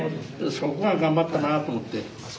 そこが頑張ったなと思って。